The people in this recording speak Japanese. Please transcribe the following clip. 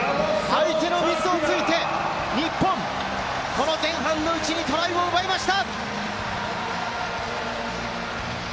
相手のミスを突いて、日本、前半のうちにトライを奪いました！